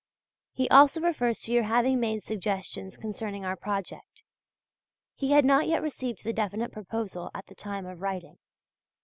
He also refers to your having made suggestions concerning our project (he had not yet received the definite proposal at the time of writing).